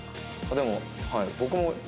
でもはい。